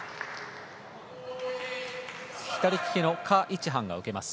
左利きのカ・イチハンが受けます。